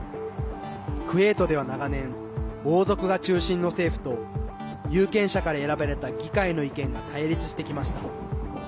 クウェートでは長年王族が中心の政府と有権者から選ばれた議会の意見が対立してきました。